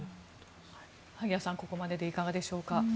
萩谷さん、ここまででいかがでしょうか。